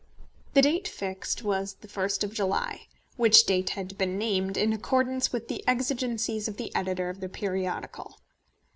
The date fixed was the first of July, which date had been named in accordance with the exigencies of the editor of the periodical.